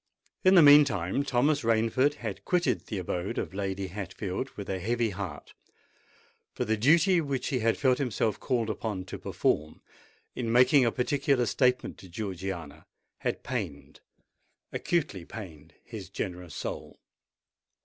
In the meantime, Thomas Rainford had quitted the abode of Lady Hatfield with a heavy heart: for the duty which he had felt himself called upon to perform, in making a particular statement to Georgiana, had pained—acutely pained his generous soul.